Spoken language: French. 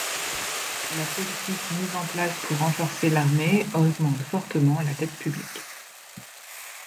La politique mise en place pour renforcer l'armée augmente fortement la dette publique.